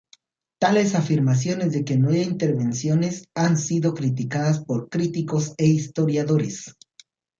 Tales afirmaciones de que no haya intervenciones han sido criticadas por críticos e historiadores.